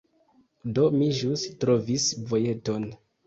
Do, mi ĵus trovis vojeton